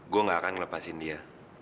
gue gak akan lepasin dia